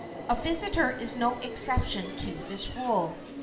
A visitor is no exception to this rule.